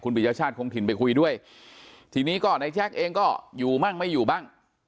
คุณผู้ชายชาติคงถิ่นไปคุยด้วยทีนี้ก็นายแจ็คเองก็อยู่บ้างไม่อยู่บ้าง